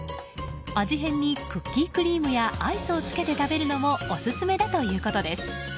味変にクッキークリームやアイスをつけて食べるのもオススメだということです。